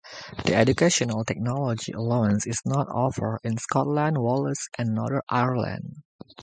The "Educational Technology Allowance" is not offered in Scotland, Wales and Northern Ireland.